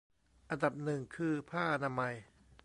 อันดับหนึ่งคือผ้าอนามัย